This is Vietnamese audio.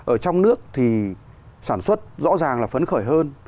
ở trong nước thì sản xuất rõ ràng là phấn khởi hơn